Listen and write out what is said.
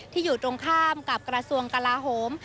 อยู่ตรงข้ามกับกระทรวงกลาโหม